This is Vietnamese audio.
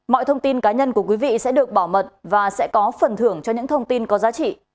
mọi thông tin cá nhân của quý vị sẽ được bảo mật và sẽ có phần thưởng cho những thông tin có giá trị